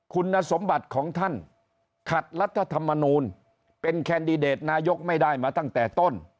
คุณสมบัติของท่านขัดรัฐธรรมนูลเป็นแคนดิเดตนายกไม่ได้มาตั้งแต่ต้น